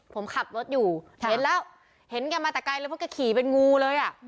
ผมขับรถอยู่เห็นแล้วเห็นแกมาแต่ไกลเลยเพราะแกขี่เป็นงูเลยอ่ะ